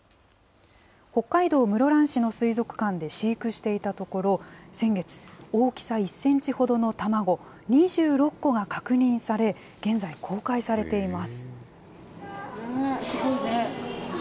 北海道室蘭市の水族館で飼育していたところ、先月、大きさ１センチほどの卵２６個が確認され、現在、公開されています。